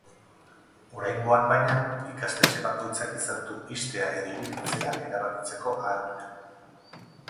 Oraingoan, baina, ikastetxe bakoitzak izan du ixtea edo irekitzea erabakitzeko ahalmena.